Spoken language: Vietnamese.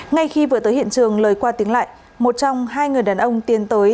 ngay khi vừa tới hiện trường lời qua tiếng lại một trong hai người đàn ông tiến tới